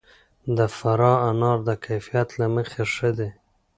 د فراه انار د کیفیت له مخې ښه دي.